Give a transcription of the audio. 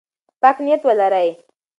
پاک نیت ولرئ.